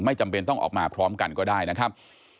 จำเป็นต้องออกมาพร้อมกันก็ได้นะครับ